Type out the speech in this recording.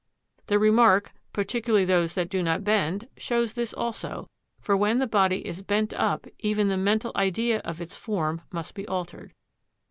The remark "particularly those that do not bend" shows this also, for when the body is bent up even the mental idea of its form must be altered.